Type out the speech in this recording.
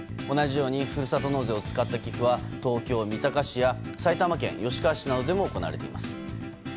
同じようにふるさと納税を使った寄付は東京・三鷹市や埼玉県吉川市などでも行われています。